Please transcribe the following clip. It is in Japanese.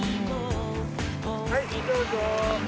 はいどうぞ。